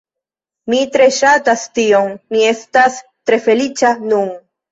Mi tre ŝatas tion, mi estas tre feliĉa nun